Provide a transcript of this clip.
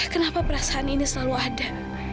kenapa perasaan ini selalu ada